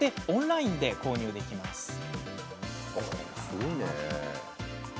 オンラインで購入できます。